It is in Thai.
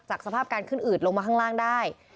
สภาพการขึ้นอืดลงมาข้างล่างได้